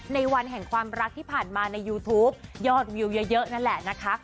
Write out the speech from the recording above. ในวันแห่งความรักที่ผ่านมาในยูทูปยอดวิวเยอะนั่นแหละนะคะ